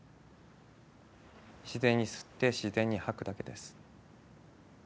自然に吸って自然に吐くだけです。